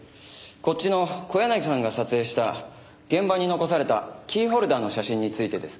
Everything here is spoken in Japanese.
こっちの小柳さんが撮影した現場に残されたキーホルダーの写真についてです。